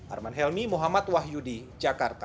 arman helmi muhammad wahyudi jakarta